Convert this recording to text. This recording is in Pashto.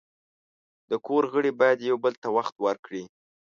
د کور غړي باید یو بل ته وخت ورکړي.